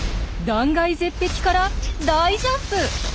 断崖絶壁から大ジャンプ！